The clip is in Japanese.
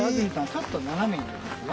ちょっと斜めになりますよ。